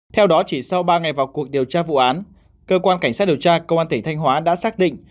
theo đó chỉ sau ba ngày vào cuộc điều tra vụ án cơ quan cảnh sát điều tra công an tỉnh thanh hóa đã xác định